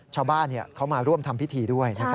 ชาวบ้านเขามาร่วมทำพิธีด้วย